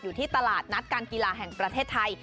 อยู่ที่ตลาดนัดการกีฬาแห่งประเทศไทย